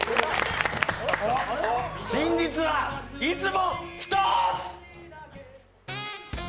真実はいつも１つ！